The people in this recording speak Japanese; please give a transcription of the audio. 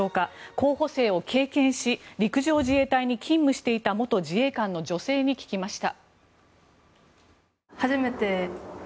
候補生を経験し陸上自衛隊に勤務していた元自衛官の女性に聞きました。